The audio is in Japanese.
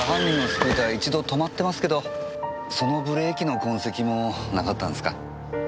一度止まってますけどそのブレーキの痕跡もなかったんですか？